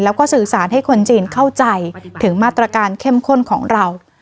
แล้วก็สื่อสารให้คนจีนเข้าใจถึงมาตรการเข้มข้นของเรา